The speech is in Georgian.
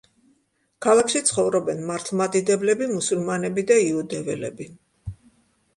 ქალაქში ცხოვრობენ მართლმადიდებლები, მუსულმანები და იუდეველები.